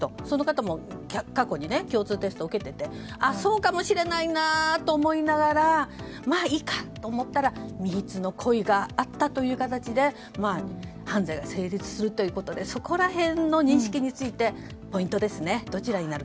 その方も過去に共通テストを受けていてそうかもしれないなと思いながらまあ、いいかと思ったら未必の故意があったという形で犯罪が成立するということでそこら辺の認識についてポイントですね。